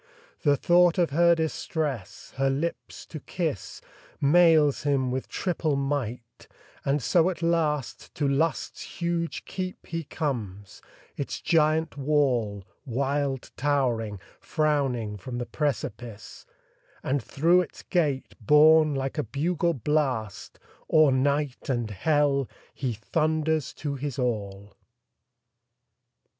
The thought of her distress, her lips to kiss, Mails him with triple might; and so at last To Lust's huge keep he comes; its giant wall, Wild towering, frowning from the precipice; And through its gate, borne like a bugle blast, O'er night and hell he thunders to his all.